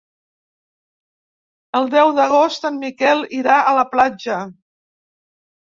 El deu d'agost en Miquel irà a la platja.